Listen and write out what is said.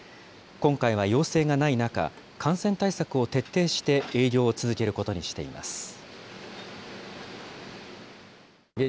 今回は要請がない中、感染対策を徹底して営業を続けることにしています。